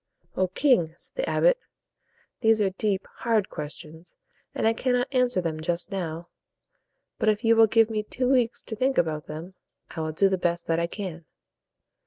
"O king!" said the abbot, "these are deep, hard questions, and I cannot answer them just now. But if you will give me two weeks to think about them, I will do the best that I can."